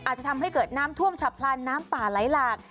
อาจจะทำให้เกิดน้ำท่วมฉับพลันน้ำป่าไหลหลาก